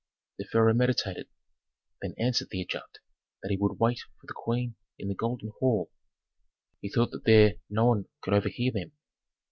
The pharaoh meditated, then answered the adjutant that he would wait for the queen in the golden hall. He thought that there no one could overhear them.